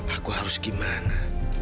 aku harus gimana